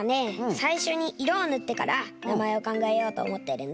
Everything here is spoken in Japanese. さいしょにいろをぬってからなまえをかんがえようとおもってるんだ。